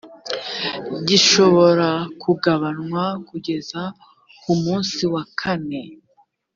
gishobora kugabanywa kugeza ku musi wakane